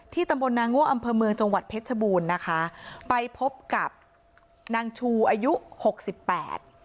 ตำบลนางง่วงอำเภอเมืองจังหวัดเพชรชบูรณ์นะคะไปพบกับนางชูอายุหกสิบแปด